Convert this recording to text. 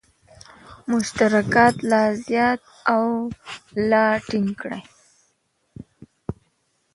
مشترکات لا زیات او لا ټینګ کړي.